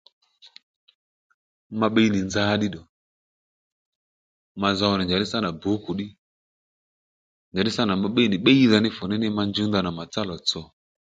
Ma bbi nì nza ddí ddǒ ma zow nì njàddí sâ nà bǔkù ddí njàddí sâ nà ma bbiy nì bbíydha ní fùní ní ndaní ma njúw ndanà mà tsá lòtsò